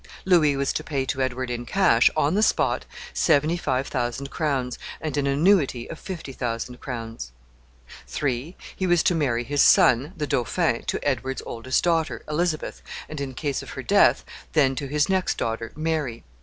Louis was to pay to Edward in cash, on the spot, seventy five thousand crowns, and an annuity of fifty thousand crowns. 3. He was to marry his son, the dauphin, to Edward's oldest daughter, Elizabeth, and, in case of her death, then to his next daughter, Mary.